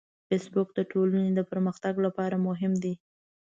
فېسبوک د ټولنې د پرمختګ لپاره مهم دی